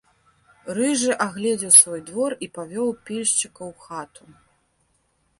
Рыжы агледзеў свой двор і павёў пільшчыкаў у хату.